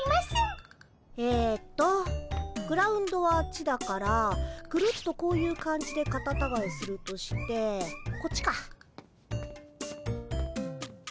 えっとグラウンドはあっちだからぐるっとこういう感じでカタタガエするとしてこっちか。